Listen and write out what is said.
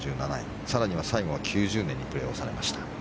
更には最後は９０年にプレーをされました。